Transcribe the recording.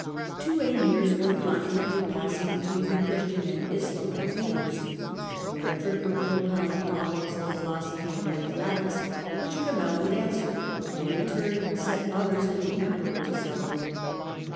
Two Emirs were constantly passing between the Christian and Islamite leaders. Frederick would pro pound problems of philosophy and mathematics which Kamel would answer and in turn set others for the Emperor to solve.